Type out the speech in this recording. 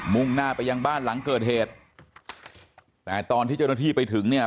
่งหน้าไปยังบ้านหลังเกิดเหตุแต่ตอนที่เจ้าหน้าที่ไปถึงเนี่ย